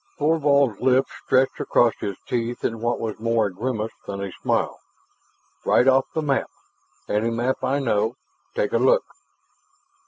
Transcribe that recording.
Thorvald's lips stretched across his teeth in what was more a grimace than a smile. "Right off the map, any map I know. Take a look."